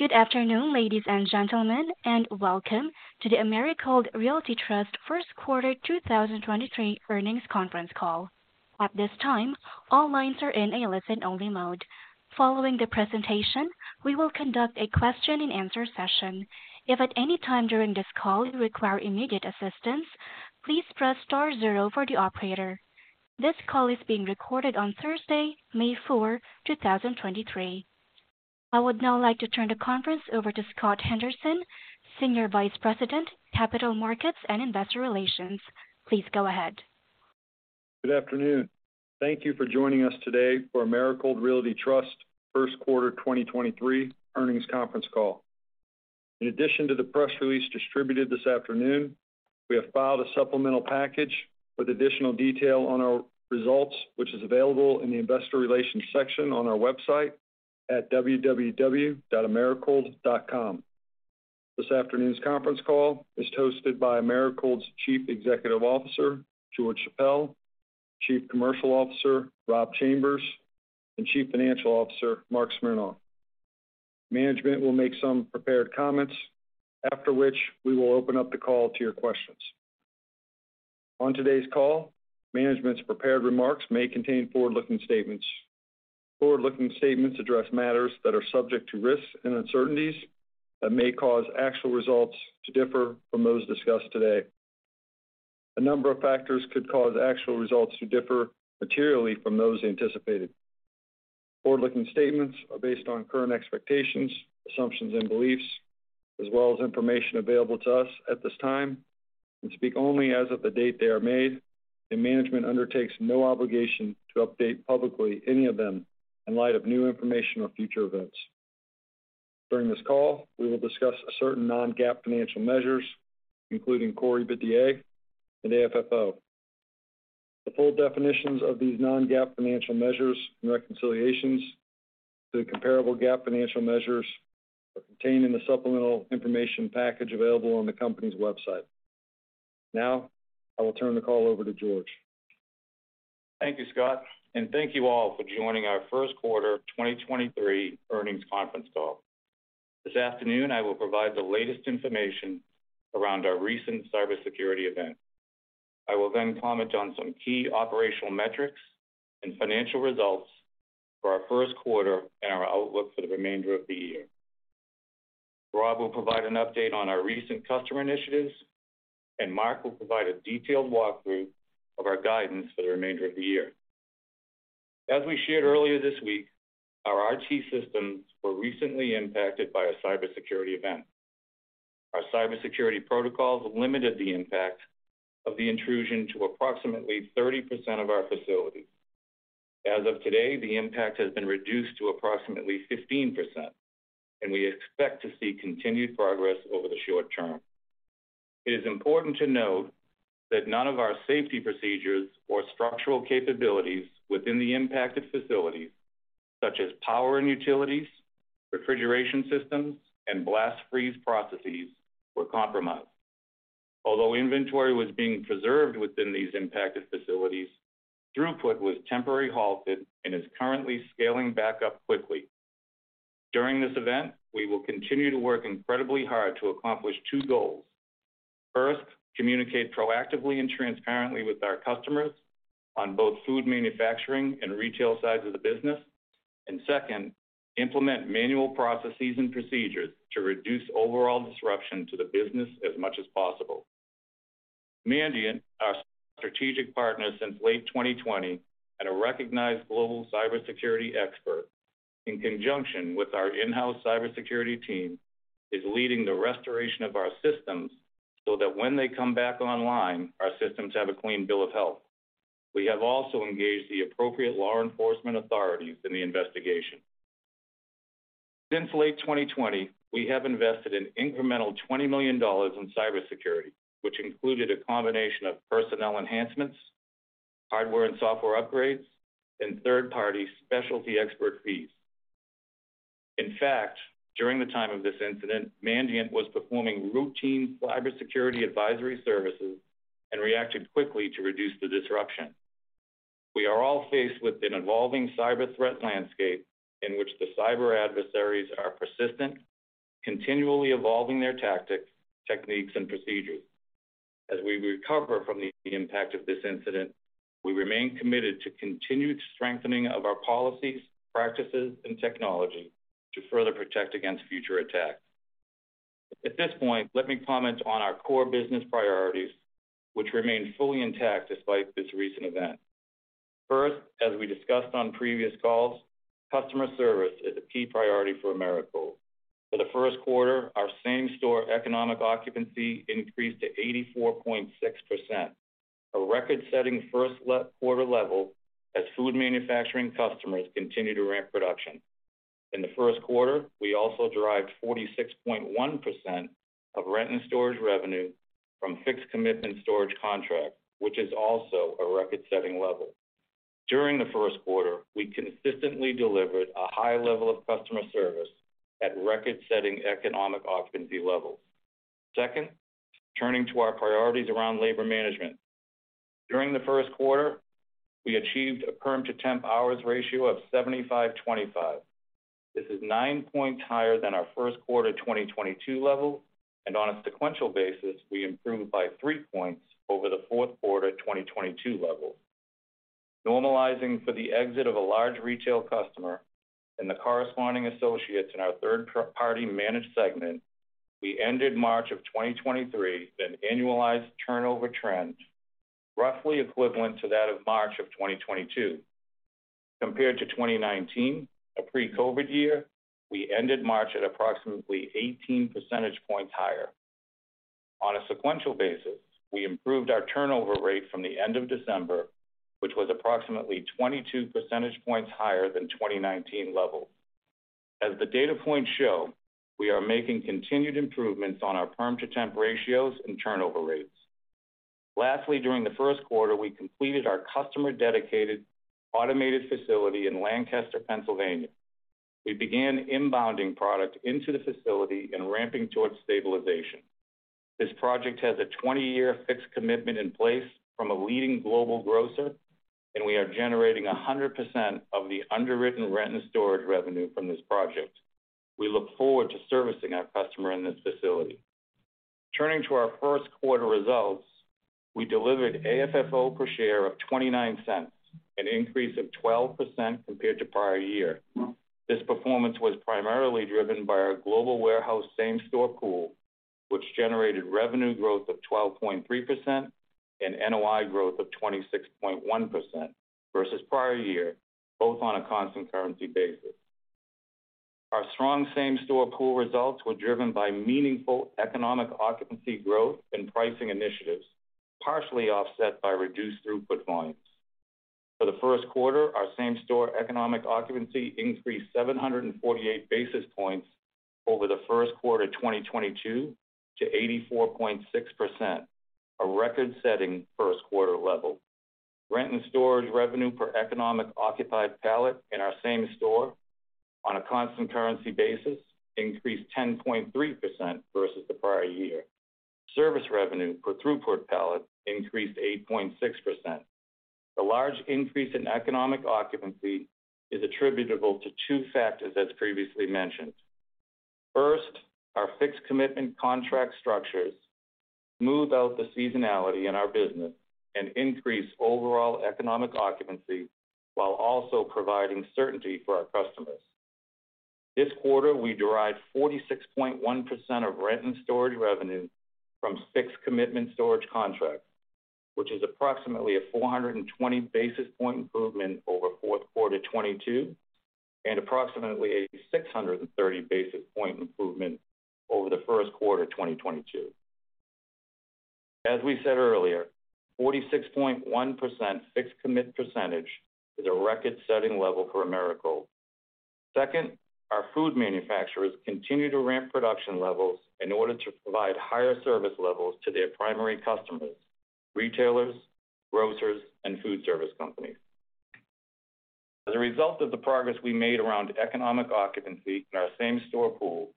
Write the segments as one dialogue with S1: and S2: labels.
S1: Good afternoon, ladies and gentlemen, and welcome to the Americold Realty Trust 1st Quarter 2023 Earnings Conference Call. At this time, all lines are in a listen-only mode. Following the presentation, we will conduct a question-and-answer session. If at any time during this call you require immediate assistance, please press star zero for the operator. This call is being recorded on Thursday, May 4, 2023. I would now like to turn the conference over to Scott Henderson, Senior Vice President, Capital Markets and Investor Relations. Please go ahead.
S2: Good afternoon. Thank you for joining us today for Americold Realty Trust First Quarter 2023 Earnings Conference call. In addition to the press release distributed this afternoon, we have filed a supplemental package with additional detail on our results, which is available in the investor relations section on our website at www.americold.com. This afternoon's conference call is hosted by Americold's Chief Executive Officer, George Chappelle, Chief Commercial Officer, Rob Chambers, and Chief Financial Officer, Marc Smernoff. Management will make some prepared comments, after which we will open up the call to your questions. On today's call, management's prepared remarks may contain forward-looking statements. Forward-looking statements address matters that are subject to risks and uncertainties that may cause actual results to differ from those discussed today. A number of factors could cause actual results to differ materially from those anticipated. Forward-looking statements are based on current expectations, assumptions, and beliefs, as well as information available to us at this time, and speak only as of the date they are made, and management undertakes no obligation to update publicly any of them in light of new information or future events. During this call, we will discuss certain non-GAAP financial measures, including Core EBITDA and AFFO. The full definitions of these non-GAAP financial measures and reconciliations to the comparable GAAP financial measures are contained in the supplemental information package available on the company's website. Now, I will turn the call over to George.
S3: Thank you, Scott, and thank you all for joining our first quarter 2023 earnings conference call. This afternoon, I will provide the latest information around our recent cybersecurity event. I will comment on some key operational metrics and financial results for our first quarter and our outlook for the remainder of the year. Rob will provide an update on our recent customer initiatives, Marc will provide a detailed walkthrough of our guidance for the remainder of the year. As we shared earlier this week, our IT systems were recently impacted by a cybersecurity event. Our cybersecurity protocols limited the impact of the intrusion to approximately 30% of our facilities. As of today, the impact has been reduced to approximately 15%, we expect to see continued progress over the short term. It is important to note that none of our safety procedures or structural capabilities within the impacted facilities, such as power and utilities, refrigeration systems, and blast freeze processes, were compromised. Although inventory was being preserved within these impacted facilities, throughput was temporarily halted and is currently scaling back up quickly. During this event, we will continue to work incredibly hard to accomplish two goals. First, communicate proactively and transparently with our customers on both food manufacturing and retail sides of the business. Second, implement manual processes and procedures to reduce overall disruption to the business as much as possible. Mandiant, our strategic partner since late 2020 and a recognized global cybersecurity expert, in conjunction with our in-house cybersecurity team, is leading the restoration of our systems so that when they come back online, our systems have a clean bill of health. We have also engaged the appropriate law enforcement authorities in the investigation. Since late 2020, we have invested an incremental $20 million in cybersecurity, which included a combination of personnel enhancements, hardware and software upgrades, and third-party specialty expert fees. In fact, during the time of this incident, Mandiant was performing routine cybersecurity advisory services and reacted quickly to reduce the disruption. We are all faced with an evolving cyber threat landscape in which the cyber adversaries are persistent, continually evolving their tactics, techniques, and procedures. As we recover from the impact of this incident, we remain committed to continued strengthening of our policies, practices, and technology to further protect against future attacks. At this point, let me comment on our core business priorities, which remain fully intact despite this recent event. First, as we discussed on previous calls, customer service is a key priority for Americold. For the first quarter, our same-store economic occupancy increased to 84.6%, a record-setting first quarter level as food manufacturing customers continue to ramp production. In the first quarter, we also derived 46.1% of rent and storage revenue from fixed commitment storage contracts, which is also a record-setting level. During the first quarter, we consistently delivered a high level of customer service at record-setting economic occupancy levels. Second, turning to our priorities around labor management. During the first quarter, we achieved a perm to temp hours ratio of 75, 25. This is 9 points higher than our first quarter 2022 level. On a sequential basis, we improved by 3 points over the fourth quarter 2022 level. Normalizing for the exit of a large retail customer and the corresponding associates in our third-party managed segment, we ended March of 2023 with an annualized turnover trend roughly equivalent to that of March of 2022. Compared to 2019, a pre-COVID year, we ended March at approximately 18 percentage points higher. On a sequential basis, we improved our turnover rate from the end of December, which was approximately 22 percentage points higher than 2019 level. As the data points show, we are making continued improvements on our perm to temp ratios and turnover rates. Lastly, during the first quarter, we completed our customer-dedicated automated facility in Lancaster, Pennsylvania. We began inbounding product into the facility and ramping towards stabilization. This project has a 20-year fixed commitment in place from a leading global grocer, and we are generating 100% of the underwritten rent and storage revenue from this project. We look forward to servicing our customer in this facility. Turning to our first quarter results, we delivered AFFO per share of $0.29, an increase of 12% compared to prior year. This performance was primarily driven by our global warehouse same-store pool, which generated revenue growth of 12.3% and NOI growth of 26.1% versus prior year, both on a constant currency basis. Our strong same-store pool results were driven by meaningful economic occupancy growth and pricing initiatives, partially offset by reduced throughput volumes. For the first quarter, our same-store economic occupancy increased 748 basis points over the first quarter 2022 to 84.6%, a record-setting first quarter level. Rent and storage revenue per economic occupied pallet in our same-store on a constant currency basis increased 10.3% versus the prior year. Service revenue per throughput pallet increased 8.6%. The large increase in economic occupancy is attributable to two factors as previously mentioned. First, our fixed commitment contract structures move out the seasonality in our business and increase overall economic occupancy while also providing certainty for our customers. This quarter, we derived 46.1% of rent and storage revenue from fixed commitment storage contracts, which is approximately a 420 basis point improvement over fourth quarter 2022 and approximately a 630 basis point improvement over the first quarter 2022. As we said earlier, 46.1% fixed commit percentage is a record-setting level for Americold. Our food manufacturers continue to ramp production levels in order to provide higher service levels to their primary customers: retailers, grocers, and food service companies. As a result of the progress we made around economic occupancy in our same-store pool,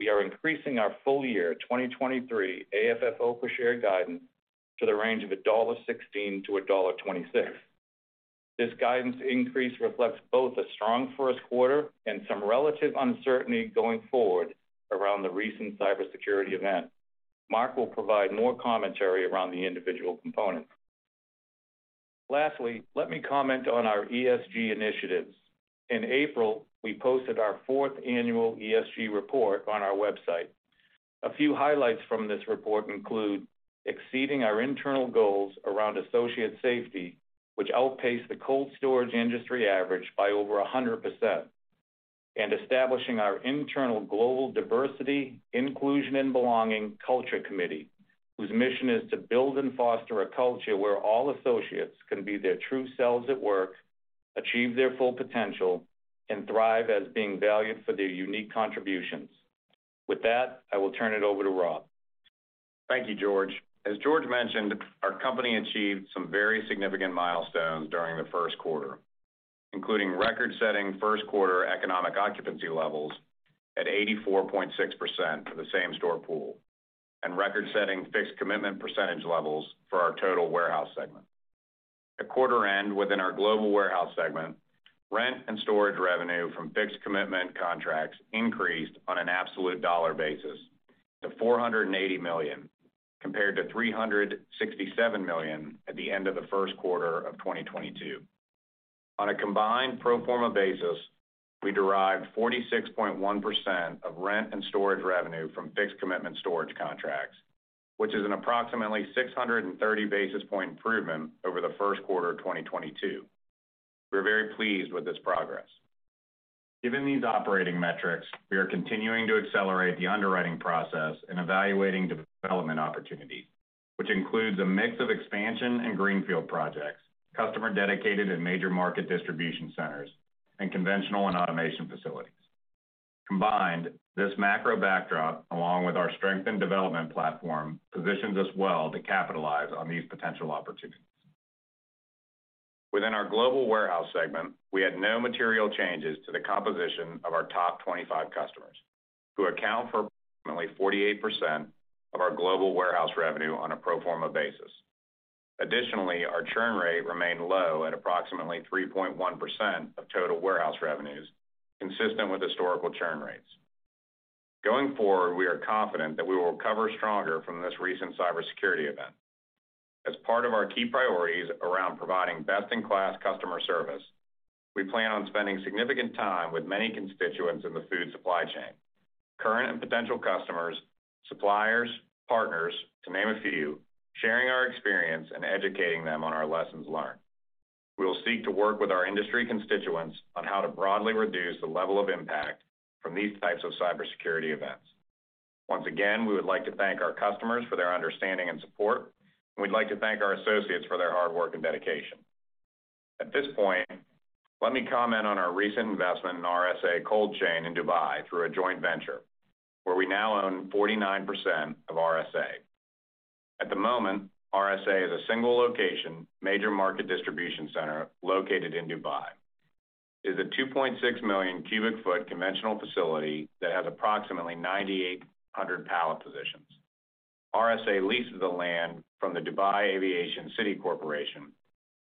S3: we are increasing our full year 2023 AFFO per share guidance to the range of $1.16 to $1.26. This guidance increase reflects both a strong first quarter and some relative uncertainty going forward around the recent cybersecurity event. Marc will provide more commentary around the individual components. Lastly, let me comment on our ESG initiatives. In April, we posted our fourth annual ESG report on our website. A few highlights from this report include exceeding our internal goals around associate safety, which outpaced the cold storage industry average by over 100%, and establishing our internal global diversity, inclusion and belonging culture committee, whose mission is to build and foster a culture where all associates can be their true selves at work, achieve their full potential, and thrive as being valued for their unique contributions. With that, I will turn it over to Rob.
S4: Thank you, George. As George mentioned, our company achieved some very significant milestones during the first quarter, including record-setting first quarter economic occupancy levels at 84.6% for the same-store pool and record-setting fixed commitment percentage levels for our total warehouse segment. At quarter end within our global warehouse segment, rent and storage revenue from fixed commitment contracts increased on an absolute dollar basis to $480 million, compared to $367 million at the end of the first quarter of 2022. On a combined pro forma basis, we derived 46.1% of rent and storage revenue from fixed commitment storage contracts, which is an approximately 630 basis point improvement over the first quarter of 2022. We're very pleased with this progress. Given these operating metrics, we are continuing to accelerate the underwriting process and evaluating development opportunities, which includes a mix of expansion and greenfield projects, customer dedicated and major market distribution centers, and conventional and automation facilities. Combined, this macro backdrop, along with our strength and development platform, positions us well to capitalize on these potential opportunities. Within our global warehouse segment, we had no material changes to the composition of our top 25 customers who account for approximately 48% of our global warehouse revenue on a pro forma basis. Additionally, our churn rate remained low at approximately 3.1% of total warehouse revenues, consistent with historical churn rates. Going forward, we are confident that we will recover stronger from this recent cybersecurity event. As part of our key priorities around providing best-in-class customer service, we plan on spending significant time with many constituents in the food supply chain, current and potential customers, suppliers, partners, to name a few, sharing our experience and educating them on our lessons learned. We will seek to work with our industry constituents on how to broadly reduce the level of impact from these types of cybersecurity events. Once again, we would like to thank our customers for their understanding and support, and we'd like to thank our associates for their hard work and dedication. At this point, let me comment on our recent investment in RSA Cold Chain in Dubai through a joint venture where we now own 49% of RSA. At the moment, RSA is a single location, major market distribution center located in Dubai. It's a 2.6 million cubic foot conventional facility that has approximately 9,800 pallet positions. RSA leases the land from the Dubai Aviation City Corporation,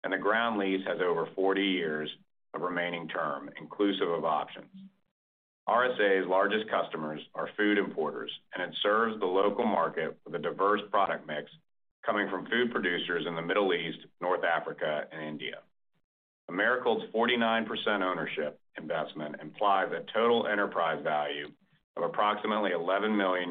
S4: and the ground lease has over 40 years of remaining term, inclusive of options. RSA's largest customers are food importers, and it serves the local market with a diverse product mix coming from food producers in the Middle East, North Africa, and India. Americold's 49% ownership investment implies a total enterprise value of approximately $11 million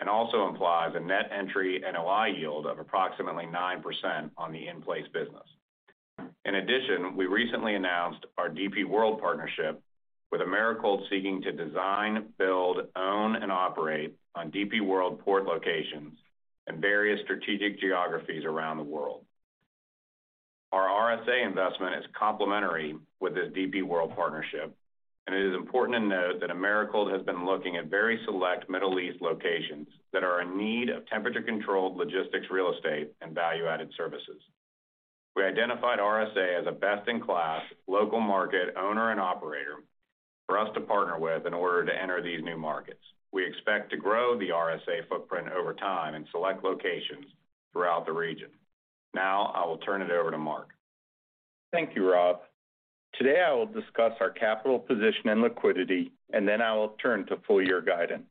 S4: and also implies a net entry NOI yield of approximately 9% on the in-place business. In addition, we recently announced our DP World partnership with Americold seeking to design, build, own, and operate on DP World port locations in various strategic geographies around the world. Our RSA investment is complementary with this DP World partnership, and it is important to note that Americold has been looking at very select Middle East locations that are in need of temperature-controlled logistics real estate and value-added services. We identified RSA as a best-in-class local market owner and operator for us to partner with in order to enter these new markets. We expect to grow the RSA footprint over time in select locations throughout the region. Now I will turn it over to Marc.
S5: Thank you, Rob. Today, I will discuss our capital position and liquidity. Then I will turn to full year guidance.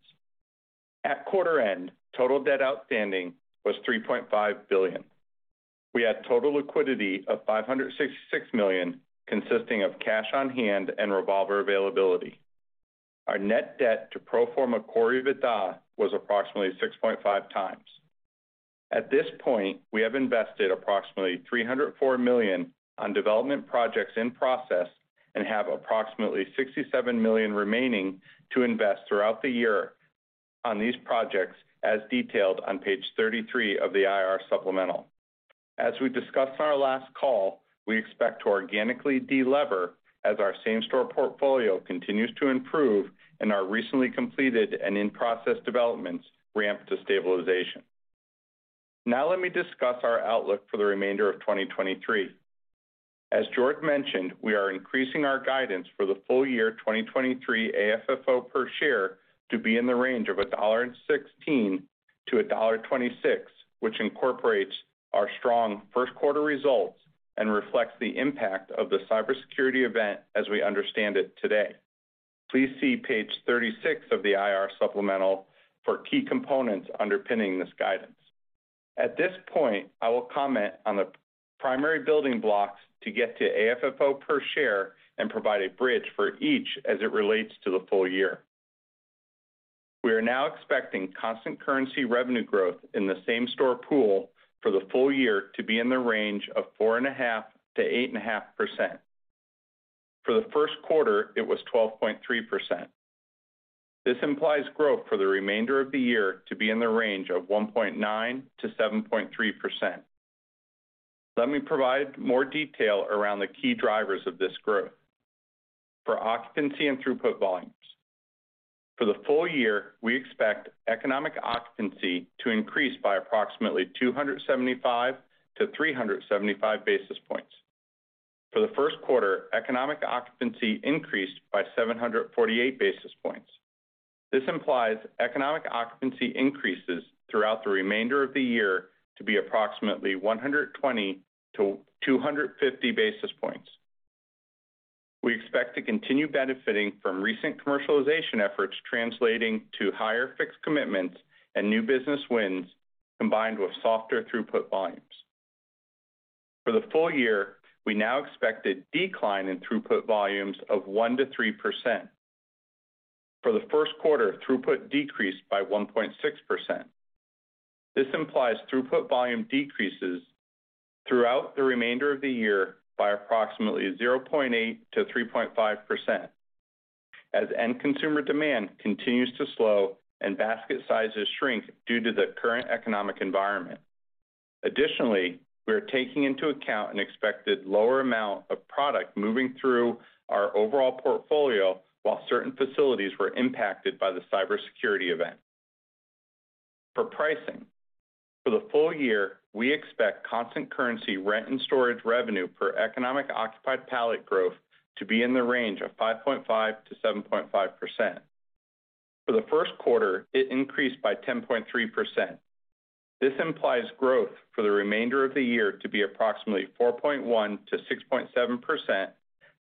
S5: At quarter end, total debt outstanding was $3.5 billion. We had total liquidity of $566 million, consisting of cash on hand and revolver availability. Our net debt to pro forma Core EBITDA was approximately 6.5 times. At this point, we have invested approximately $304 million on development projects in process and have approximately $67 million remaining to invest throughout the year on these projects, as detailed on page 33 of the IR supplemental. As we discussed on our last call, we expect to organically de-lever as our same-store portfolio continues to improve and our recently completed and in-process developments ramp to stabilization. Let me discuss our outlook for the remainder of 2023. As George mentioned, we are increasing our guidance for the full year 2023 AFFO per share to be in the range of $1.16-$1.26, which incorporates our strong first quarter results and reflects the impact of the cybersecurity event as we understand it today. Please see page 36 of the IR supplemental for key components underpinning this guidance. At this point, I will comment on the primary building blocks to get to AFFO per share and provide a bridge for each as it relates to the full year. We are now expecting constant currency revenue growth in the same-store pool for the full year to be in the range of 4.5%-8.5%. For the first quarter, it was 12.3%. This implies growth for the remainder of the year to be in the range of 1.9%-7.3%. Let me provide more detail around the key drivers of this growth. For occupancy and throughput volumes. For the full year, we expect economic occupancy to increase by approximately 275-375 basis points. For the first quarter, economic occupancy increased by 748 basis points. This implies economic occupancy increases throughout the remainder of the year to be approximately 120-250 basis points. We expect to continue benefiting from recent commercialization efforts translating to higher fixed commitments and new business wins combined with softer throughput volumes. For the full year, we now expect a decline in throughput volumes of 1%-3%. For the first quarter, throughput decreased by 1.6%. This implies throughput volume decreases throughout the remainder of the year by approximately 0.8%-3.5% as end consumer demand continues to slow and basket sizes shrink due to the current economic environment. Additionally, we are taking into account an expected lower amount of product moving through our overall portfolio while certain facilities were impacted by the cybersecurity event. For pricing. For the full year, we expect constant currency rent and storage revenue per economic occupied pallet growth to be in the range of 5.5%-7.5%. For the first quarter, it increased by 10.3%. This implies growth for the remainder of the year to be approximately 4.1%-6.7%,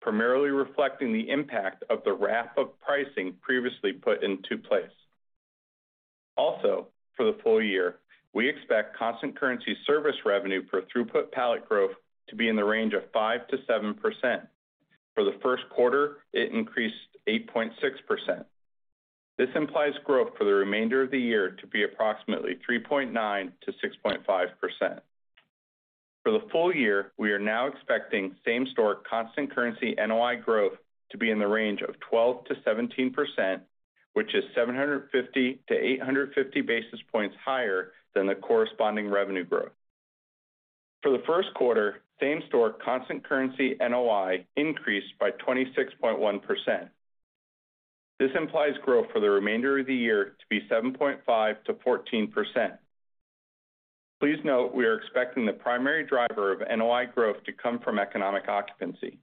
S5: primarily reflecting the impact of the wrap-up pricing previously put into place. For the full year, we expect constant currency service revenue for throughput pallet growth to be in the range of 5%-7%. For the first quarter, it increased 8.6%. This implies growth for the remainder of the year to be approximately 3.9%-6.5%. For the full year, we are now expecting same-store constant currency NOI growth to be in the range of 12%-17%, which is 750-850 basis points higher than the corresponding revenue growth. For the first quarter, same-store constant currency NOI increased by 26.1%. This implies growth for the remainder of the year to be 7.5%-14%. Please note we are expecting the primary driver of NOI growth to come from economic occupancy.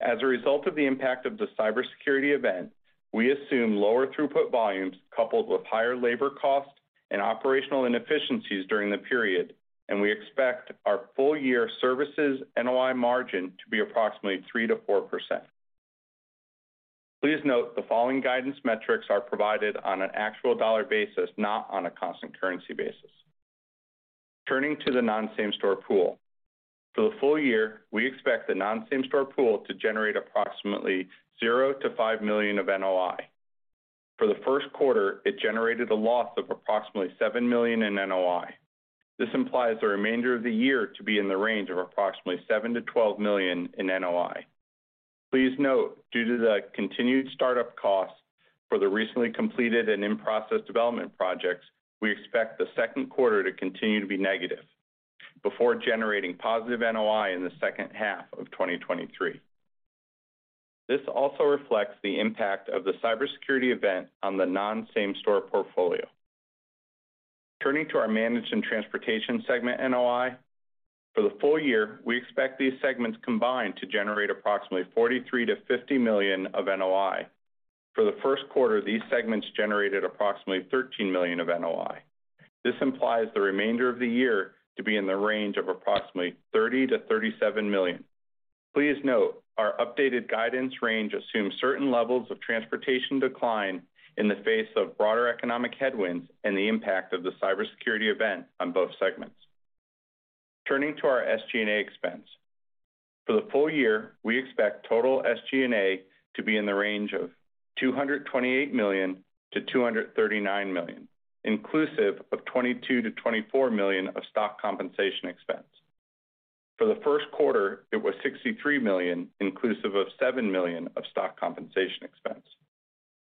S5: As a result of the impact of the cybersecurity event, we assume lower throughput volumes coupled with higher labor costs and operational inefficiencies during the period, we expect our full year services NOI margin to be approximately 3%-4%. Please note the following guidance metrics are provided on an actual dollar basis, not on a constant currency basis. Turning to the non-same-store pool. For the full year, we expect the non-same-store pool to generate approximately $0 million-$5 million of NOI. For the first quarter, it generated a loss of approximately $7 million in NOI. This implies the remainder of the year to be in the range of approximately $7 million-$12 million in NOI. Please note, due to the continued startup costs for the recently completed and in-process development projects, we expect the second quarter to continue to be negative before generating positive NOI in the second half of 2023. This also reflects the impact of the cybersecurity event on the non-same-store portfolio. Turning to our managed and transportation segment NOI. For the full year, we expect these segments combined to generate approximately $43 million-$50 million of NOI. For the first quarter, these segments generated approximately $13 million of NOI. This implies the remainder of the year to be in the range of approximately $30 million-$37 million. Please note our updated guidance range assumes certain levels of transportation decline in the face of broader economic headwinds and the impact of the cybersecurity event on both segments. Turning to our SG&A expense. For the full year, we expect total SG&A to be in the range of $228 million-$239 million, inclusive of $22 million-$24 million of stock compensation expense. For the first quarter, it was $63 million, inclusive of $7 million of stock compensation expense.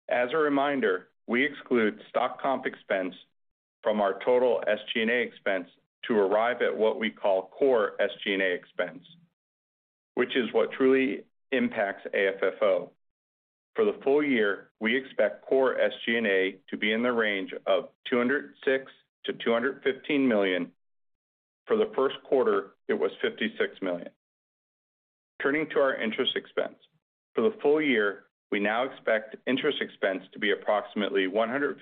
S5: As a reminder, we exclude stock comp expense from our total SG&A expense to arrive at what we call Core SG&A expense, which is what truly impacts AFFO. For the full year, we expect Core SG&A to be in the range of $206 million-$215 million. For the first quarter, it was $56 million. Turning to our interest expense. For the full year, we now expect interest expense to be approximately $151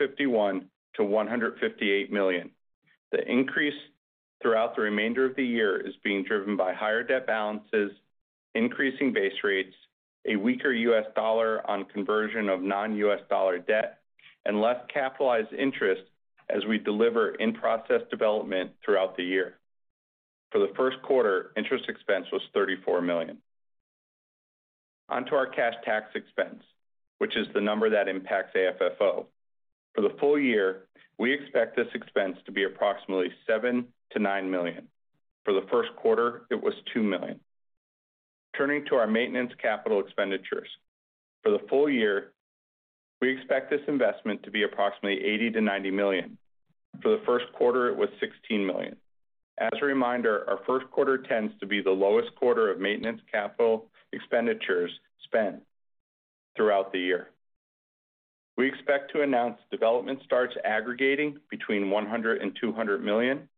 S5: million-$158 million. The increase throughout the remainder of the year is being driven by higher debt balances, increasing base rates, a weaker US dollar on conversion of non-US dollar debt, and less capitalized interest as we deliver in-process development throughout the year. For the first quarter, interest expense was $34 million. Onto our cash tax expense, which is the number that impacts AFFO. For the full year, we expect this expense to be approximately $7 million-$9 million. For the first quarter, it was $2 million. Turning to our maintenance capital expenditures. For the full year, we expect this investment to be approximately $80 million-$90 million. For the first quarter, it was $16 million. As a reminder, our first quarter tends to be the lowest quarter of maintenance capital expenditures spent throughout the year. We expect to announce development starts aggregating between $100 million-$200 million.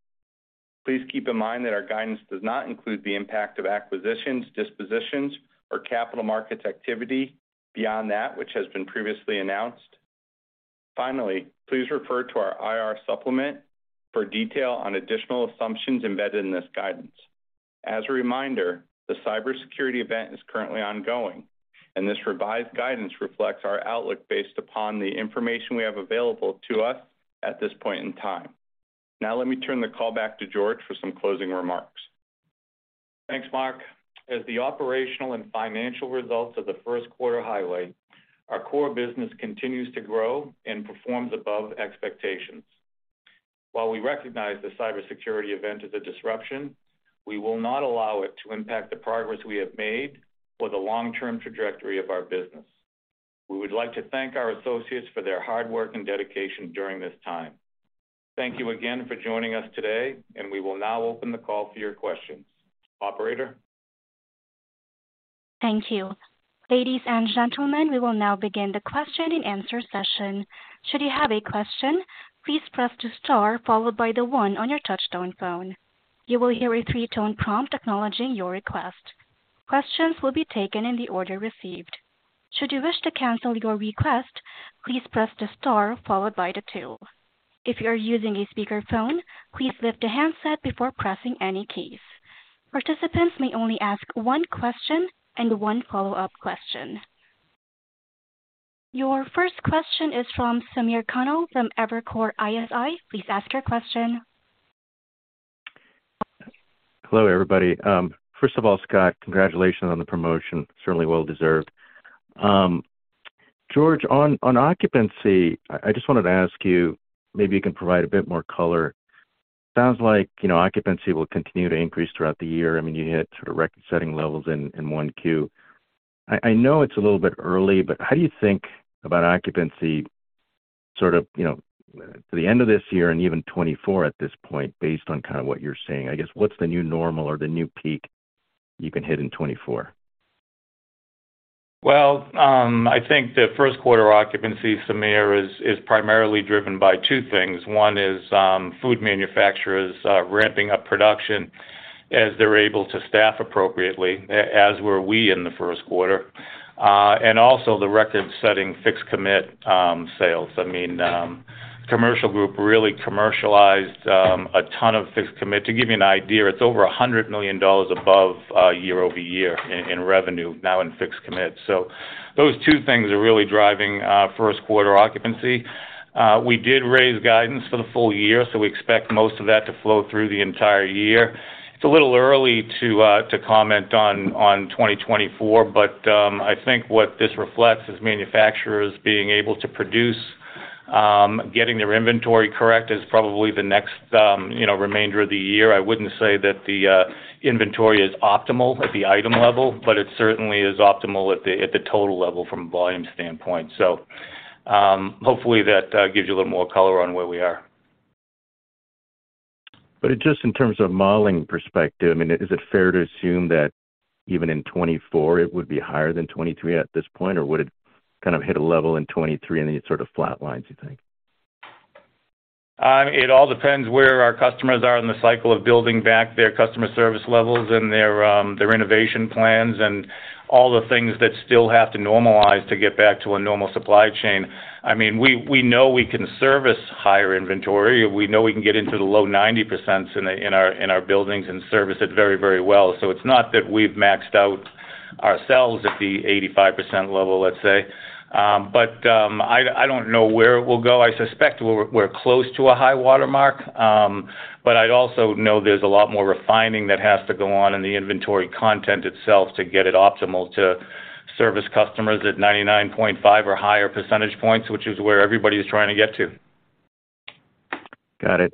S5: Please keep in mind that our guidance does not include the impact of acquisitions, dispositions, or capital markets activity beyond that which has been previously announced. Please refer to our IR supplement for detail on additional assumptions embedded in this guidance. As a reminder, the cybersecurity event is currently ongoing, and this revised guidance reflects our outlook based upon the information we have available to us at this point in time. Let me turn the call back to George for some closing remarks.
S3: Thanks, Marc. As the operational and financial results of the first quarter highlight, our core business continues to grow and performs above expectations. While we recognize the cybersecurity event as a disruption, we will not allow it to impact the progress we have made or the long-term trajectory of our business. We would like to thank our associates for their hard work and dedication during this time. Thank you again for joining us today. We will now open the call for your questions. Operator?
S1: Thank you. Ladies and gentlemen, we will now begin the question and answer session. Should you have a question, please press the star followed by the one on your touch-tone phone. You will hear a 3-tone prompt acknowledging your request. Questions will be taken in the order received. Should you wish to cancel your request, please press the star followed by the two. If you're using a speakerphone, please lift the handset before pressing any keys. Participants may only ask one question and one follow-up question. Your first question is from Samir Khanal from Evercore ISI. Please ask your question.
S6: Hello, everybody. First of all, Scott, congratulations on the promotion. Certainly well-deserved. George, on occupancy, I just wanted to ask you, maybe you can provide a bit more color. Sounds like, you know, occupancy will continue to increase throughout the year. I mean, you hit sort of record-setting levels in 1Q. I know it's a little bit early, but how do you think about occupancy sort of, you know, for the end of this year and even 2024 at this point, based on kind of what you're seeing? I guess, what's the new normal or the new peak you can hit in 2024?
S3: Well, I think the first quarter occupancy, Samir, is primarily driven by two things. One is, food manufacturers, ramping up production as they're able to staff appropriately, as were we in the first quarter. Also the record-setting fixed commit sales. I mean, commercial group really commercialized a ton of fixed commit. To give you an idea, it's over $100 million above year-over-year in revenue now in fixed commits. Those two things are really driving first quarter occupancy. We did raise guidance for the full year, we expect most of that to flow through the entire year. It's a little early to to comment on 2024, but I think what this reflects is manufacturers being able to produce, getting their inventory correct is probably the next, you know, remainder of the year. I wouldn't say that the inventory is optimal at the item level, but it certainly is optimal at the, at the total level from a volume standpoint. Hopefully that gives you a little more color on where we are.
S6: Just in terms of modeling perspective, I mean, is it fair to assume that even in 2024 it would be higher than 2023 at this point? Would it kind of hit a level in 2023 and then it sort of flatlines, you think?
S3: It all depends where our customers are in the cycle of building back their customer service levels and their renovation plans and all the things that still have to normalize to get back to a normal supply chain. I mean, we know we can service higher inventory. We know we can get into the low 90% in our buildings and service it very, very well. It's not that we've maxed out ourselves at the 85% level, let's say. I don't know where it will go. I suspect we're close to a high watermark. I'd also know there's a lot more refining that has to go on in the inventory content itself to get it optimal to service customers at 99.5 or higher percentage points, which is where everybody is trying to get to.
S6: Got it.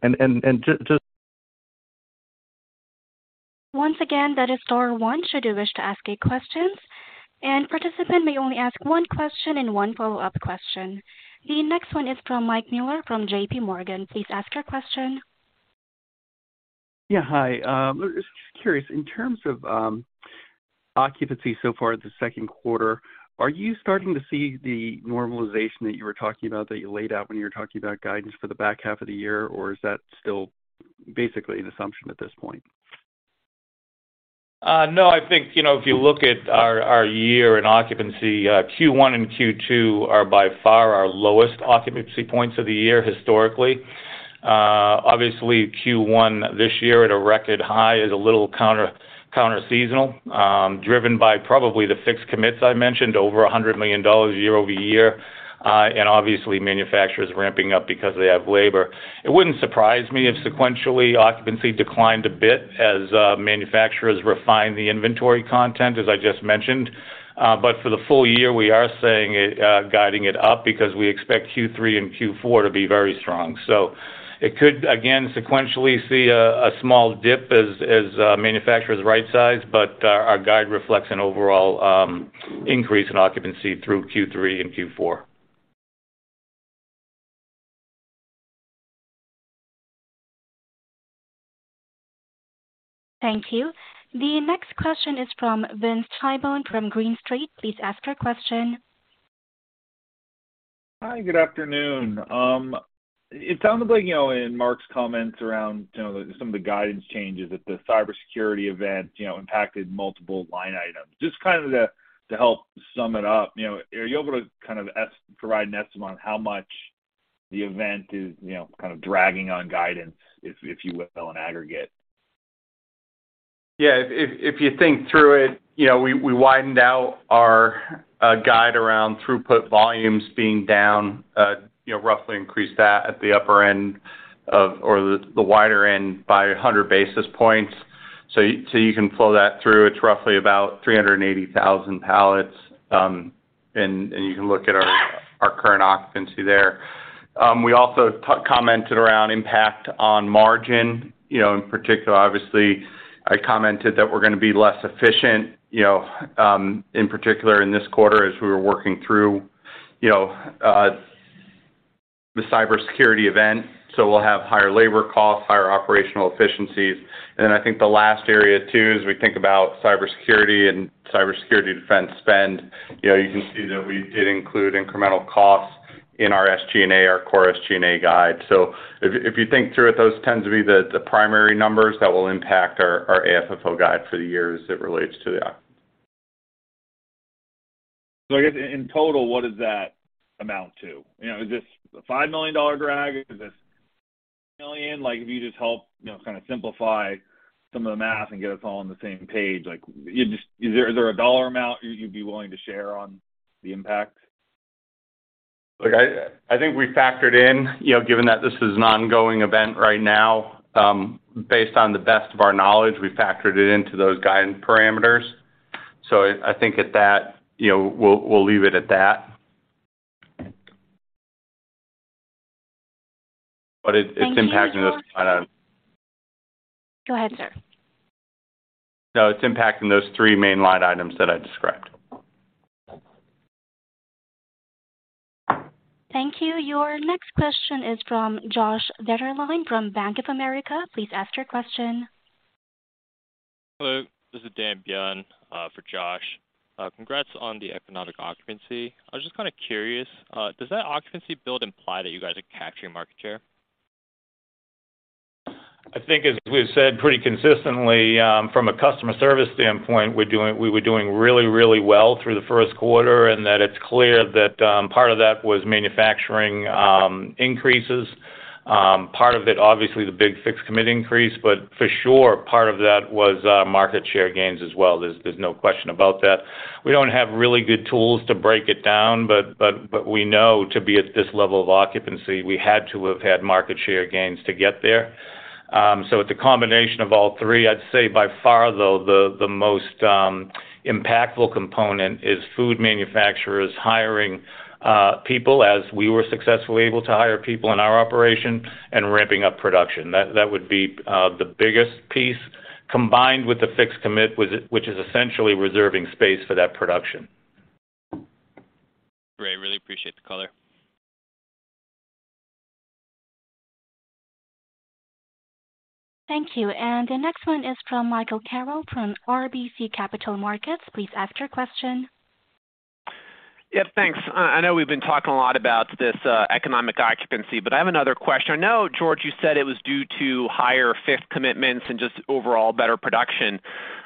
S1: Once again, that is star one should you wish to ask a question. Participant may only ask one question and one follow-up question. The next one is from Michael Mueller from JPMorgan. Please ask your question.
S7: Hi. Just curious, in terms of occupancy so far the second quarter, are you starting to see the normalization that you were talking about that you laid out when you were talking about guidance for the back half of the year? Or is that still basically an assumption at this point?
S3: No, I think, you know, if you look at our year-end occupancy, Q1 and Q2 are by far our lowest occupancy points of the year historically. Obviously Q1 this year at a record high is a little counter-seasonal, driven by probably the fixed commits I mentioned, over $100 million year-over-year. Obviously manufacturers ramping up because they have labor. It wouldn't surprise me if sequentially occupancy declined a bit as manufacturers refine the inventory content, as I just mentioned. For the full year, we are saying it, guiding it up because we expect Q3 and Q4 to be very strong. It could again sequentially see a small dip as manufacturers right-size, our guide reflects an overall increase in occupancy through Q3 and Q4.
S1: Thank you. The next question is from Vince Tibone from Green Street. Please ask your question.
S8: Hi, good afternoon. It sounds like, you know, in Marc's comments around, you know, some of the guidance changes at the cybersecurity event, you know, impacted multiple line items. Just kind of to help sum it up, you know, are you able to kind of provide an estimate on how much the event is, you know, kind of dragging on guidance, if you will, in aggregate?
S3: Yeah, if you think through it, you know, we widened out our guide around throughput volumes being down, you know, roughly increased that at the upper end of or the wider end by 100 basis points. You can flow that through. It's roughly about 380,000 pallets. You can look at our current occupancy there. We also commented around impact on margin. You know, in particular, obviously, I commented that we're gonna be less efficient, you know, in particular in this quarter as we were working through, you know, the cybersecurity event. We'll have higher labor costs, higher operational efficiencies. I think the last area too, as we think about cybersecurity and cybersecurity defense spend, you know, you can see that we did include incremental costs in our SG&A, our core SG&A guide. If you think through it, those tend to be the primary numbers that will impact our AFFO guide for the year as it relates to that.
S9: I guess in total, what does that amount to? You know, is this a $5 million drag? Is this $1 million? Like, if you just help, you know, kind of simplify some of the math and get us all on the same page. Like you just is there a dollar amount you'd be willing to share on the impact?
S3: Look, I think we factored in, you know, given that this is an ongoing event right now, based on the best of our knowledge, we factored it into those guidance parameters. I think at that, you know, we'll leave it at that. It's impacting.
S1: Thank you.
S3: Kinda...
S1: Go ahead, sir.
S3: It's impacting those three main line items that I described.
S1: Thank you. Your next question is from Joshua Dennerlein from Bank of America. Please ask your question.
S10: Hello, this is Ben Bian, for Josh. Congrats on the economic occupancy. I was just kind of curious, does that occupancy build imply that you guys are capturing market share?
S3: I think, as we've said pretty consistently, from a customer service standpoint, we were doing really, really well through the first quarter. That it's clear that part of that was manufacturing increases. Part of it, obviously, the big fixed commit increase. For sure, part of that was market share gains as well. There's no question about that. We don't have really good tools to break it down, but we know to be at this level of occupancy, we had to have had market share gains to get there. It's a combination of all three. I'd say by far, though, the most impactful component is food manufacturers hiring people as we were successfully able to hire people in our operation and ramping up production. That would be the biggest piece combined with the fixed commit, which is essentially reserving space for that production.
S10: Great. Really appreciate the color.
S1: Thank you. The next one is from Michael Carroll from RBC Capital Markets. Please ask your question.
S11: Thanks. I know we've been talking a lot about this economic occupancy, but I have another question. I know, George, you said it was due to higher fixed commitments and just overall better production.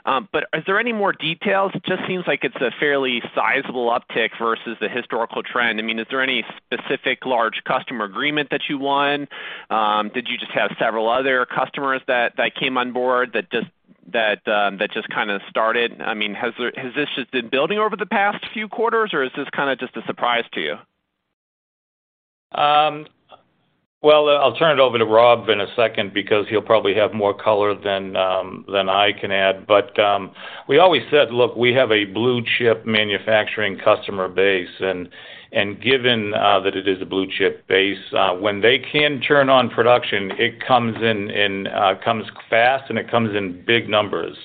S11: Is there any more details? It just seems like it's a fairly sizable uptick versus the historical trend. I mean, is there any specific large customer agreement that you won? Did you just have several other customers that came on board that just kinda started? I mean, has this just been building over the past few quarters, or is this kinda just a surprise to you?
S3: Well, I'll turn it over to Rob in a second because he'll probably have more color than I can add. We always said, look, we have a blue-chip manufacturing customer base, and given that it is a blue-chip base, when they can turn on production, it comes in, comes fast, and it comes in big numbers.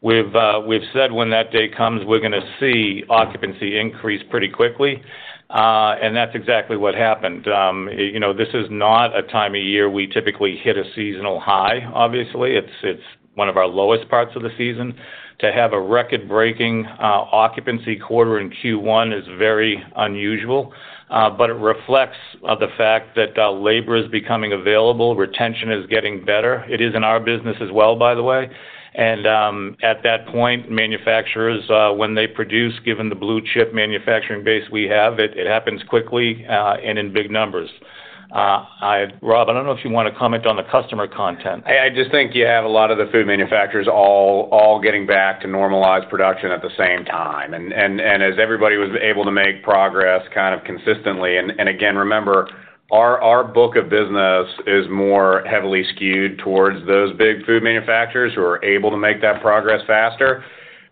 S3: We've said when that day comes, we're gonna see occupancy increase pretty quickly, and that's exactly what happened. You know, this is not a time of year we typically hit a seasonal high, obviously. It's one of our lowest parts of the season. To have a record-breaking occupancy quarter in Q1 is very unusual, but it reflects the fact that labor is becoming available, retention is getting better. It is in our business as well, by the way. At that point, manufacturers, when they produce, given the blue-chip manufacturing base we have, it happens quickly, and in big numbers. Rob, I don't know if you wanna comment on the customer content.
S4: I just think you have a lot of the food manufacturers all getting back to normalized production at the same time. As everybody was able to make progress kind of consistently. Again, remember, our book of business is more heavily skewed towards those big food manufacturers who are able to make that progress faster.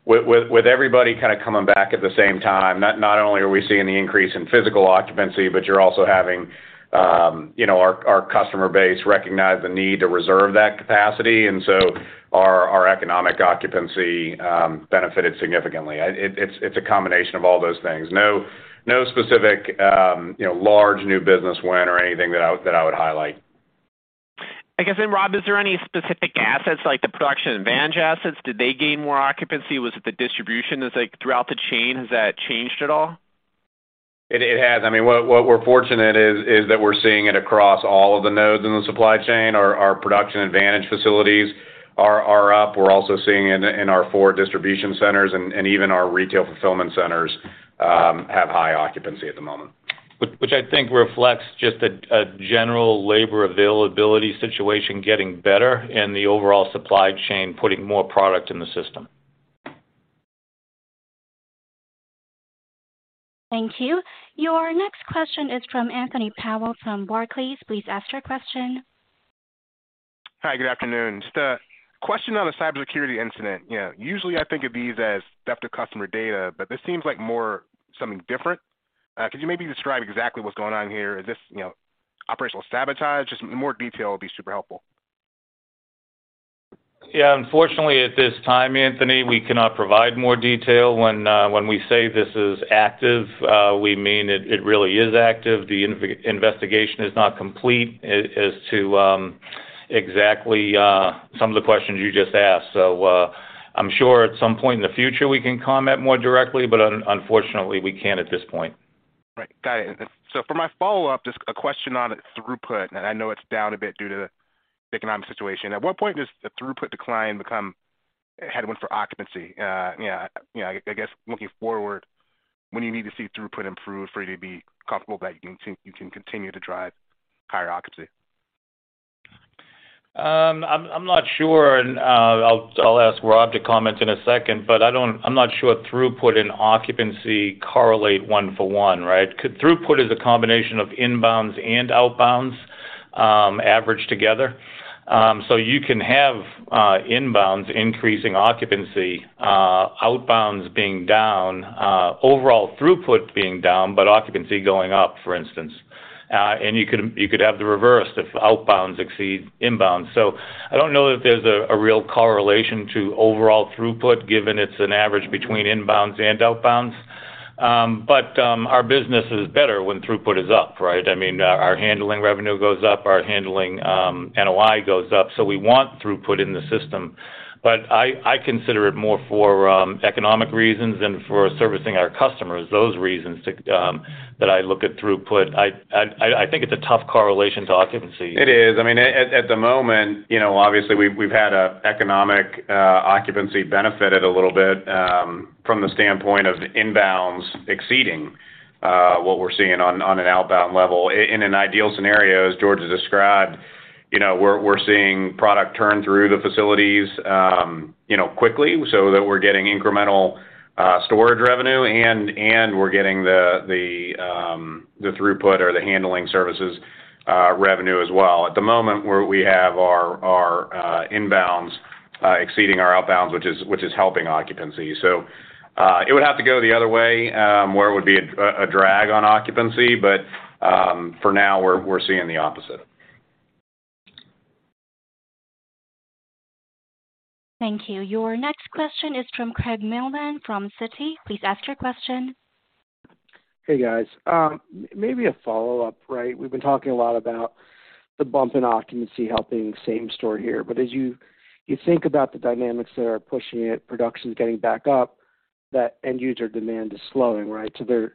S4: With everybody kind of coming back at the same time, not only are we seeing the increase in physical occupancy, but you're also having, you know, our customer base recognize the need to reserve that capacity. So our economic occupancy benefited significantly. It's a combination of all those things. No specific, you know, large new business win or anything that I would highlight.
S11: I guess, Rob, is there any specific assets like the production advantage assets, did they gain more occupancy? Was it the distribution? It's like throughout the chain, has that changed at all?
S4: It has. I mean, what we're fortunate is that we're seeing it across all of the nodes in the supply chain. Our production advantage facilities are up. We're also seeing it in our four distribution centers and even our retail fulfillment centers have high occupancy at the moment.
S3: Which I think reflects just a general labor availability situation getting better and the overall supply chain putting more product in the system.
S1: Thank you. Your next question is from Anthony Powell from Barclays. Please ask your question.
S9: Hi, good afternoon. Just a question on the cybersecurity incident. You know, usually I think of these as theft of customer data, but this seems like more something different. Could you maybe describe exactly what's going on here? Is this, you know, operational sabotage? Just more detail would be super helpful.
S3: Yeah, unfortunately at this time, Anthony, we cannot provide more detail. When we say this is active, we mean it really is active. The investigation is not complete as to exactly some of the questions you just asked. I'm sure at some point in the future we can comment more directly, but unfortunately, we can't at this point.
S9: Right. Got it. For my follow-up, just a question on throughput, and I know it's down a bit due to the economic situation. At what point does the throughput decline become a headwind for occupancy? Yeah, you know, I guess looking forward, when you need to see throughput improve for you to be comfortable that you can continue to drive higher occupancy?
S3: I'm not sure, and I'll ask Rob to comment in a second, but I'm not sure throughput and occupancy correlate one-for-one, right? Throughput is a combination of inbounds and outbounds, averaged together. You can have inbounds increasing occupancy, outbounds being down, overall throughput being down, but occupancy going up, for instance. You could have the reverse if outbounds exceed inbounds. I don't know that there's a real correlation to overall throughput, given it's an average between inbounds and outbounds. Our business is better when throughput is up, right? I mean, our handling revenue goes up, our handling NOI goes up, so we want throughput in the system. I consider it more for economic reasons than for servicing our customers. Those reasons to that I look at throughput. I think it's a tough correlation to occupancy.
S4: It is. I mean, at the moment, you know, obviously we've had a economic occupancy benefited a little bit from the standpoint of the inbounds exceeding what we're seeing on an outbound level. In an ideal scenario, as George has described, you know, we're seeing product turn through the facilities, you know, quickly so that we're getting incremental storage revenue and we're getting the throughput or the handling services revenue as well. At the moment, where we have our inbounds exceeding our outbounds, which is, which is helping occupancy. It would have to go the other way, where it would be a drag on occupancy, but for now, we're seeing the opposite.
S1: Thank you. Your next question is from Craig Mailman from Citi. Please ask your question.
S12: Hey, guys. Maybe a follow-up, right? We've been talking a lot about the bump in occupancy helping same-store here, but as you think about the dynamics that are pushing it, production getting back up, that end user demand is slowing, right? There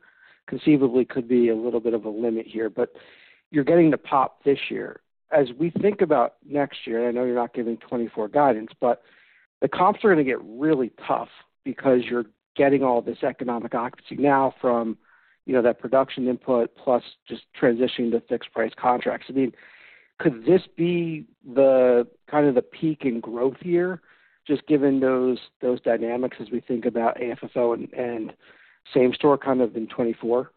S12: conceivably could be a little bit of a limit here, but you're getting the pop this year. As we think about next year, I know you're not giving 2024 guidance, but the comps are gonna get really tough because you're getting all this economic occupancy now from, you know, that production input plus just transitioning to fixed price contracts. I mean, could this be the kind of the peak in growth year, just given those dynamics as we think about AFFO and same-store kind of in 2024?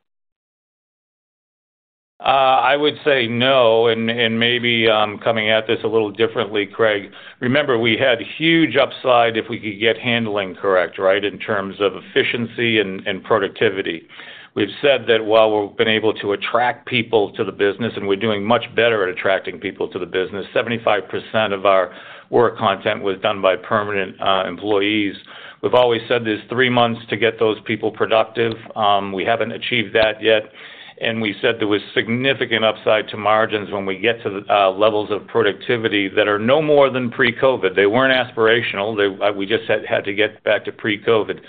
S3: I would say no, and maybe I'm coming at this a little differently, Craig. Remember, we had huge upside if we could get handling correct, right, in terms of efficiency and productivity. We've said that while we've been able to attract people to the business, and we're doing much better at attracting people to the business, 75% of our work content was done by permanent employees. We've always said there's 3 months to get those people productive. We haven't achieved that yet. We said there was significant upside to margins when we get to the levels of productivity that are no more than pre-COVID. They weren't aspirational. We just had to get back to pre-COVID.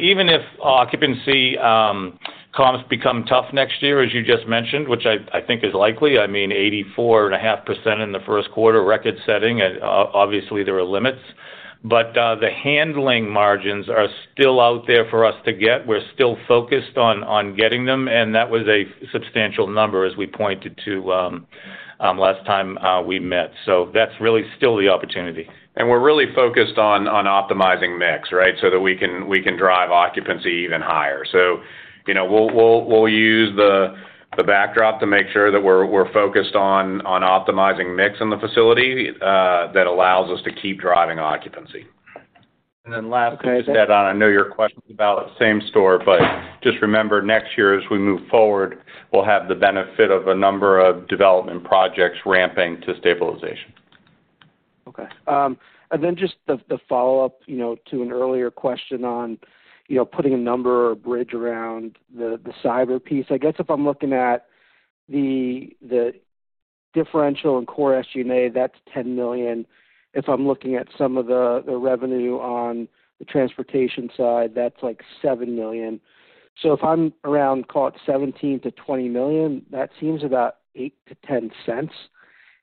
S3: Even if occupancy comps become tough next year, as you just mentioned, which I think is likely, I mean, 84.5% in the first quarter, record-setting, and obviously, there are limits. The handling margins are still out there for us to get. We're still focused on getting them, and that was a substantial number as we pointed to last time we met. That's really still the opportunity.
S4: We're really focused on optimizing mix, right? That we can drive occupancy even higher. You know, we'll use the backdrop to make sure that we're focused on optimizing mix in the facility that allows us to keep driving occupancy.
S12: Okay.
S3: Last, just to add on, I know your question's about same-store, but just remember next year as we move forward, we'll have the benefit of a number of development projects ramping to stabilization.
S12: Just the follow-up, you know, to an earlier question on, you know, putting a number or a bridge around the cyber piece. I guess if I'm looking at the differential in Core SG&A, that's $10 million. If I'm looking at some of the revenue on the transportation side, that's like $7 million. If I'm around, call it $17 million-$20 million, that seems about $0.08-$0.10.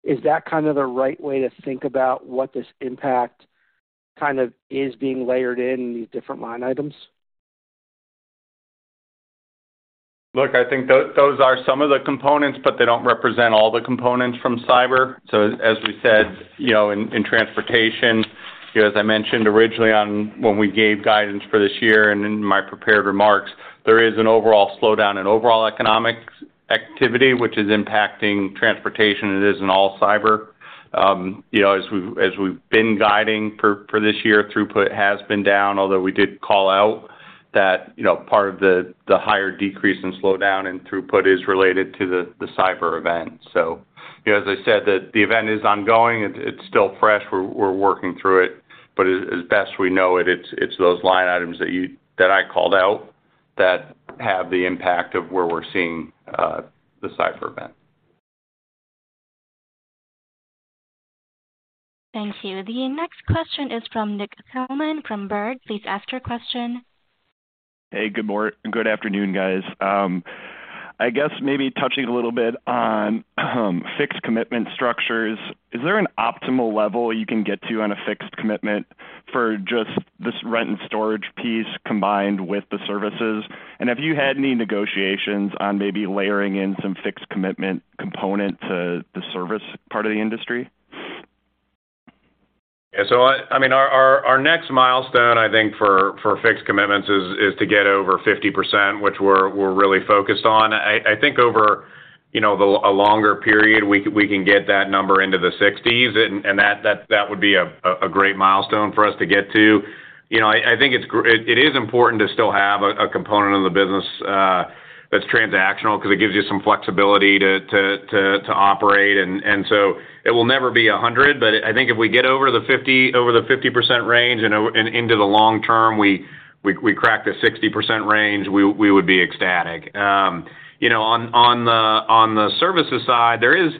S12: Is that kind of the right way to think about what this impact kind of is being layered in these different line items?
S4: Look, I think those are some of the components, but they don't represent all the components from cyber. As we said, you know, in transportation, you know, as I mentioned originally on when we gave guidance for this year and in my prepared remarks, there is an overall slowdown in overall economic activity, which is impacting transportation. It is in all cyber. You know, as we've been guiding for this year, throughput has been down, although we did call out that, you know, part of the higher decrease and slowdown in throughput is related to the cyber event. You know, as I said, the event is ongoing. It's still fresh. We're working through it. As best we know it's those line items that I called out that have the impact of where we're seeing the cyber event.
S1: Thank you. The next question is from Nick Thillman from Baird. Please ask your question.
S13: Hey, good afternoon, guys. I guess maybe touching a little bit on fixed commitment structures. Is there an optimal level you can get to on a fixed commitment for just this rent and storage piece combined with the services? Have you had any negotiations on maybe layering in some fixed commitment component to the service part of the industry?
S4: I mean, our next milestone, I think for fixed commitments is to get over 50%, which we're really focused on. I think over, you know, a longer period, we can get that number into the 60s, and that would be a great milestone for us to get to. You know, I think it is important to still have a component of the business that's transactional 'cause it gives you some flexibility to operate. It will never be 100, but I think if we get over the 50% range and into the long term, we crack the 60% range, we would be ecstatic. you know, on the services side, there is,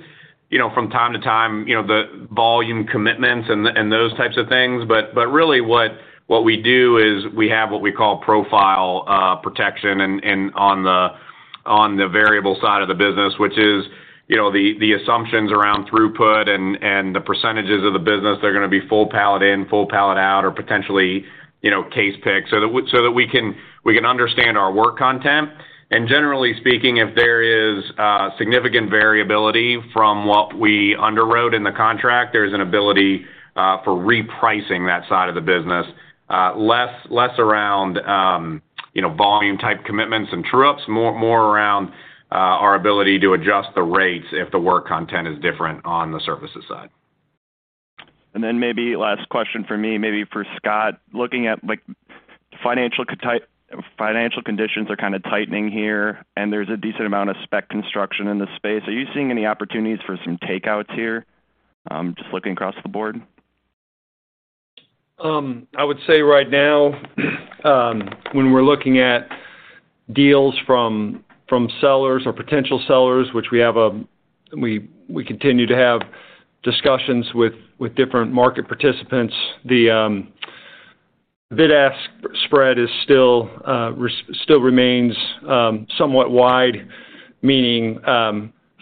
S4: you know, from time to time, you know, the volume commitments and those types of things. Really what we do is we have what we call profile protection and on the variable side of the business, which is, you know, the assumptions around throughput and the percentages of the business that are gonna be full pallet in, full pallet out or potentially, you know, case pick so that we can understand our work content. Generally speaking, if there is significant variability from what we underwrote in the contract, there's an ability for repricing that side of the business, less around, you know, volume type commitments and true-ups. More around our ability to adjust the rates if the work content is different on the services side.
S13: Maybe last question for me, maybe for Scott. Looking at, like, financial conditions are kind of tightening here, and there's a decent amount of spec construction in the space. Are you seeing any opportunities for some takeouts here, just looking across the board?
S3: I would say right now, when we're looking at deals from sellers or potential sellers, which we continue to have discussions with different market participants. The bid-ask spread still remains somewhat wide, meaning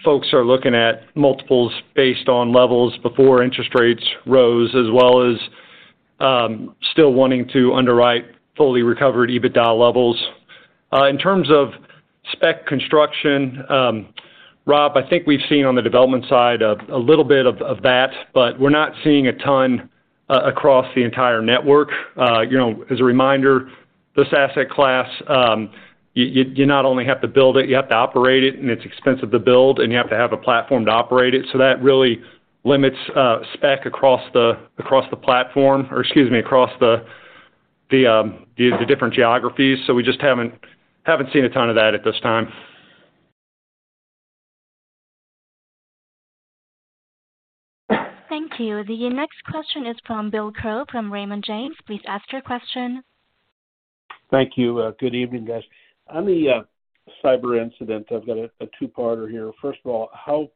S3: folks are looking at multiples based on levels before interest rates rose, as well as still wanting to underwrite fully recovered EBITDA levels. In terms of spec construction, Rob, I think we've seen on the development side a little bit of that, but we're not seeing a ton across the entire network. You know, as a reminder, this asset class, you not only have to build it, you have to operate it, and it's expensive to build, and you have to have a platform to operate it. That really limits, spec across the platform or, excuse me, across the different geographies. We just haven't seen a ton of that at this time.
S1: Thank you. The next question is from William Crow from Raymond James. Please ask your question.
S14: Thank you. Good evening, guys. On the cyber incident, I've got a two-parter here. First of all, how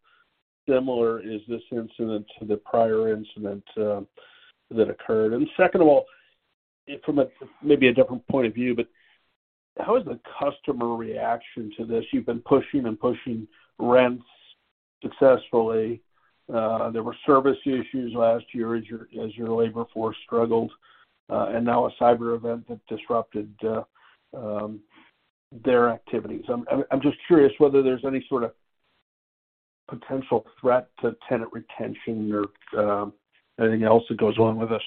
S14: similar is this incident to the prior incident that occurred? Second of all, from a, maybe a different point of view, but how is the customer reaction to this? You've been pushing and pushing rents successfully. There were service issues last year as your labor force struggled. Now a cyber event that disrupted their activities. I'm just curious whether there's any sort of potential threat to tenant retention or anything else that goes on with this.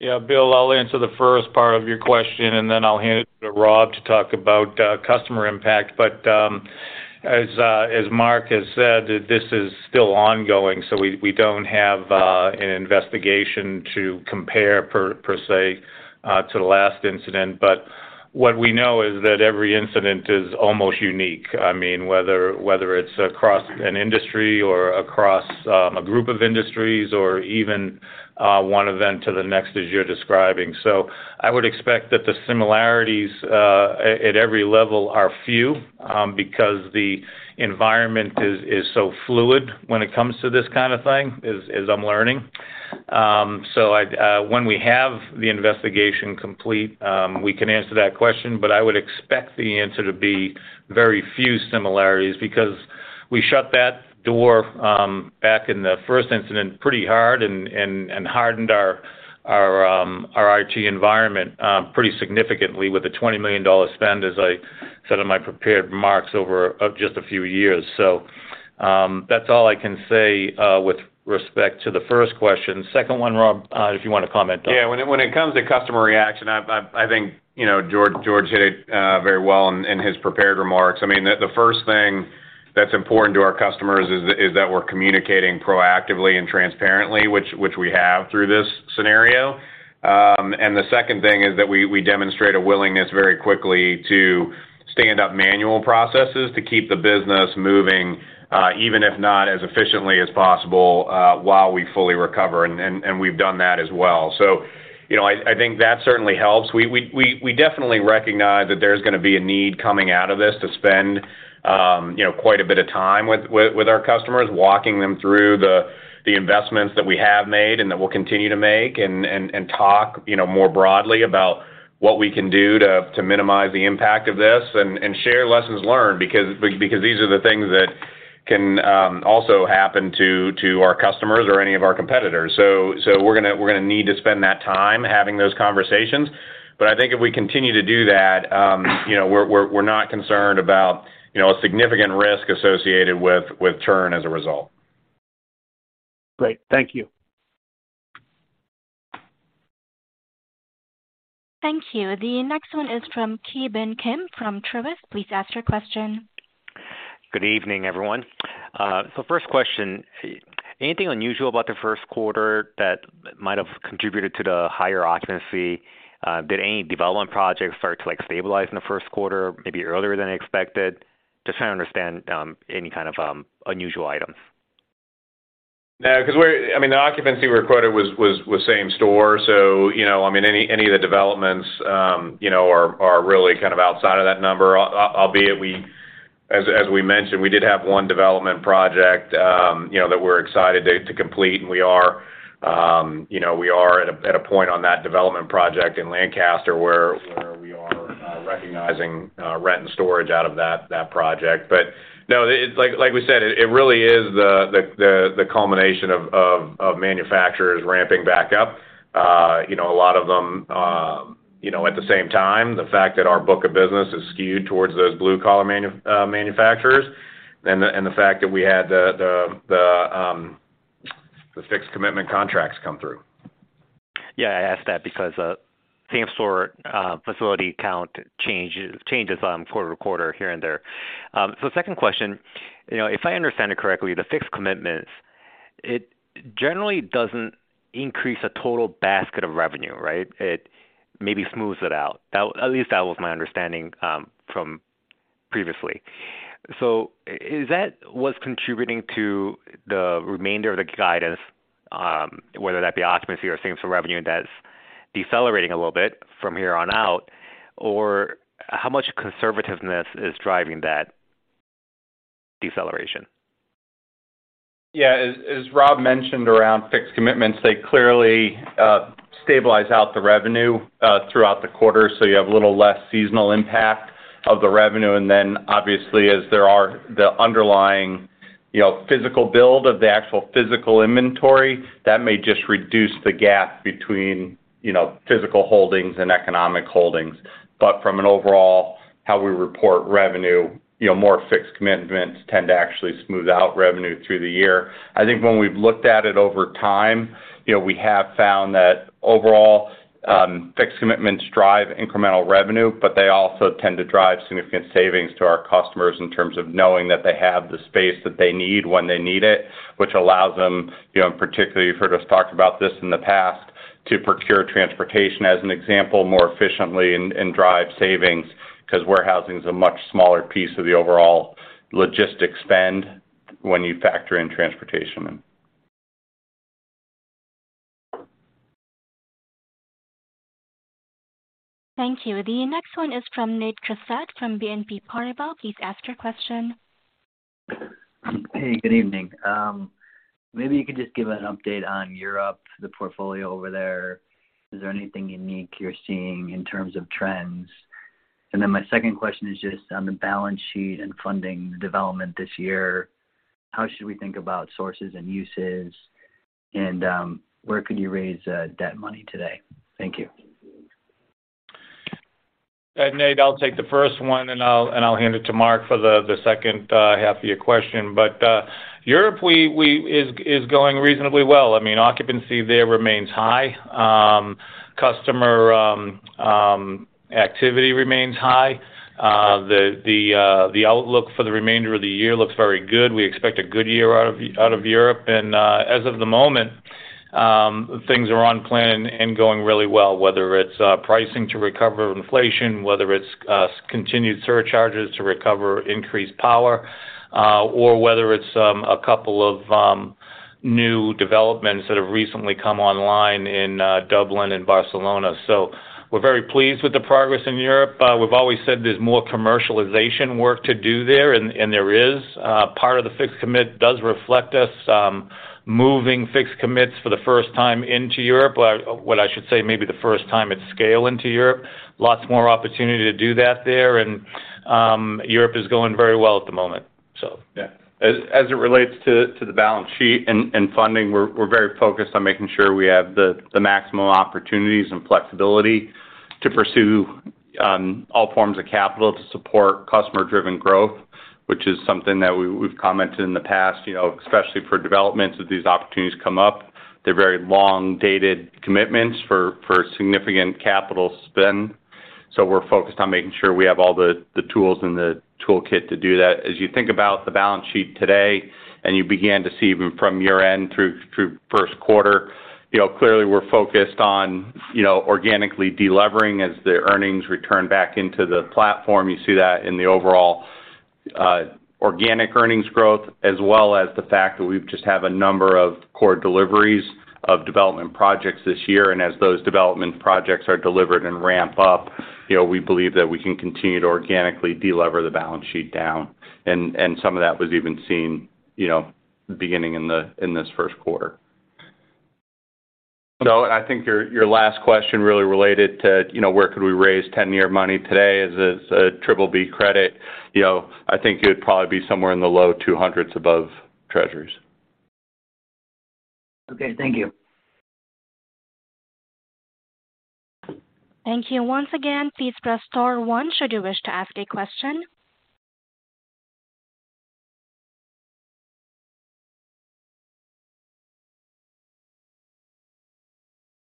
S3: Yeah. Bill, I'll answer the first part of your question, and then I'll hand it to Rob to talk about customer impact. As Marc has said, this is still ongoing, so we don't have an investigation to compare per se to the last incident. What we know is that every incident is almost unique. I mean, whether it's across an industry or across a group of industries or even one event to the next as you're describing. I would expect that the similarities at every level are few because the environment is so fluid when it comes to this kind of thing, as I'm learning. I'd when we have the investigation complete, we can answer that question, but I would expect the answer to be very few similarities because we shut that door back in the first incident pretty hard and hardened our IT environment pretty significantly with a $20 million spend, as I said in my prepared remarks, over just a few years. That's all I can say with respect to the first question. Second one, Rob, if you wanna comment on.
S4: Yeah. When it comes to customer reaction, I think, you know, George hit it very well in his prepared remarks. I mean, the first thing that's important to our customers is that we're communicating proactively and transparently, which we have through this scenario. The second thing is that we demonstrate a willingness very quickly to stand up manual processes to keep the business moving, even if not as efficiently as possible, while we fully recover, and we've done that as well. You know, I think that certainly helps. We definitely recognize that there's gonna be a need coming out of this to spend, you know, quite a bit of time with our customers, walking them through the investments that we have made and that we'll continue to make and talk, you know, more broadly about what we can do to minimize the impact of this and share lessons learned because these are the things that can also happen to our customers or any of our competitors. We're gonna need to spend that time having those conversations. I think if we continue to do that, you know, we're not concerned about, you know, a significant risk associated with churn as a result.
S14: Great. Thank you.
S1: Thank you. The next one is from Ki Bin Kim from Truist. Please ask your question.
S15: Good evening, everyone. First question, anything unusual about the first quarter that might have contributed to the higher occupancy? Did any development projects start to, like, stabilize in the first quarter, maybe earlier than expected? Just trying to understand any kind of unusual items.
S4: No, 'cause we're, I mean, the occupancy we quoted was same-store. You know, I mean, any of the developments, you know, are really kind of outside of that number. Albeit as we mentioned, we did have one development project, you know, that we're excited to complete, and we are, you know, we are at a point on that development project in Lancaster where we are recognizing rent and storage out of that project. No, like we said, it really is the culmination of manufacturers ramping back up. You know, a lot of them, you know, at the same time. The fact that our book of business is skewed towards those blue-collar manufacturers and the fact that we had the fixed commitment contracts come through.
S15: Yeah, I asked that because same-store facility count changes quarter to quarter here and there. Second question. You know, if I understand it correctly, the fixed commitments, it generally doesn't increase a total basket of revenue, right? It maybe smooths it out. At least that was my understanding from previously. Is that what's contributing to the remainder of the guidance, whether that be occupancy or same-store revenue, that's decelerating a little bit from here on out? How much conservativeness is driving that deceleration?
S3: As Rob mentioned around fixed commitments, they clearly stabilize out the revenue throughout the quarter. You have a little less seasonal impact of the revenue. Obviously, as there are the underlying, you know, physical build of the actual physical inventory, that may just reduce the gap between, you know, physical holdings and economic holdings. From an overall how we report revenue, you know, more fixed commitments tend to actually smooth out revenue through the year. I think when we've looked at it over time, you know, we have found that overall, fixed commitments drive incremental revenue, but they also tend to drive significant savings to our customers in terms of knowing that they have the space that they need when they need it, which allows them, you know, and particularly you've heard us talk about this in the past, to procure transportation, as an example, more efficiently and drive savings because warehousing is a much smaller piece of the overall logistics spend when you factor in transportation.
S1: Thank you. The next one is from Nate Crossett from BNP Paribas. Please ask your question.
S16: Hey, good evening. Maybe you could just give an update on Europe, the portfolio over there. Is there anything unique you're seeing in terms of trends? My second question is just on the balance sheet and funding development this year. How should we think about sources and uses, where could you raise, debt money today? Thank you.
S4: Nate, I'll take the first one, and I'll hand it to Marc for the second half of your question. Europe is going reasonably well. I mean, occupancy there remains high. Customer activity remains high. The outlook for the remainder of the year looks very good. We expect a good year out of Europe. As of the moment, things are on plan and going really well, whether it's pricing to recover inflation, whether it's continued surcharges to recover increased power, or whether it's a couple of new developments that have recently come online in Dublin and Barcelona. We're very pleased with the progress in Europe. We've always said there's more commercialization work to do there, and there is. Part of the fixed commit does reflect us moving fixed commits for the first time into Europe. Well, what I should say, maybe the first time at scale into Europe. Lots more opportunity to do that there, and Europe is going very well at the moment.
S5: As it relates to the balance sheet and funding, we're very focused on making sure we have the maximum opportunities and flexibility to pursue all forms of capital to support customer-driven growth, which is something that we've commented in the past, you know, especially for developments as these opportunities come up. They're very long-dated commitments for significant capital spend. We're focused on making sure we have all the tools in the toolkit to do that. As you think about the balance sheet today, you began to see even from year-end through first quarter, you know, clearly we're focused on, you know, organically de-levering as the earnings return back into the platform. You see that in the overall, organic earnings growth as well as the fact that we've just have a number of core deliveries of development projects this year. As those development projects are delivered and ramp up, you know, we believe that we can continue to organically de-lever the balance sheet down. Some of that was even seen, you know, beginning in the, in this first quarter.
S4: No, I think your last question really related to, you know, where could we raise 10-year money today as a BBB credit. You know, I think it would probably be somewhere in the low 200 above Treasuries.
S16: Okay. Thank you.
S1: Thank you. Once again, please press star one should you wish to ask a question.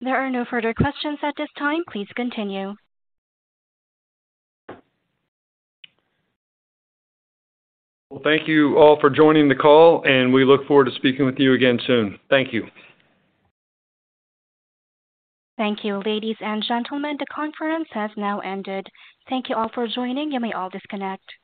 S1: There are no further questions at this time. Please continue.
S5: Thank you all for joining the call, and we look forward to speaking with you again soon. Thank you.
S1: Thank you. Ladies and gentlemen, the conference has now ended. Thank you all for joining. You may all disconnect.